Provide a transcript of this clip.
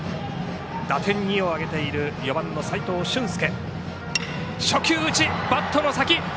打点２を挙げている４番の齋藤舜介。